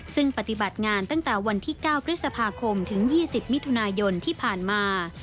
ซึ่งปฏิบัติงานตั้งแต่วันที่๙พฤษภาคมถึง๒๐มิถุนายนที่ผ่านมา